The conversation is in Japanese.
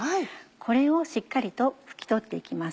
これをしっかりと拭き取って行きます。